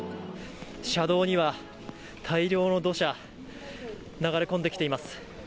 車道には大量の土砂が流れ込んできています。